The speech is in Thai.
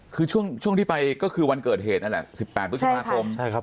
คือช่วงที่ไปก็คือวันเกิดเหตุเนี่ยละ๑๘๑๕กรม